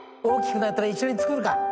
大きくなったら一緒に作るか。